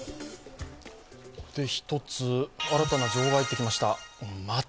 一つ新たな情報が入ってきました。